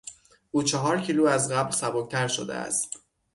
او چهار کیلو از قبل سبکتر شده است.